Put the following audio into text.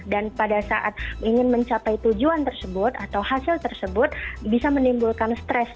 dan pada saat ingin mencapai tujuan tersebut atau hasil tersebut bisa menimbulkan stres